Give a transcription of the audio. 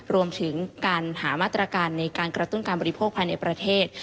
รวมถึงการหามาตรการในการกระตุ้นการบริโภคภายในประเทศ